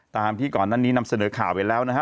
ตามที่ก่อนหน้านี้นำเสนอข่าวไปแล้วนะฮะ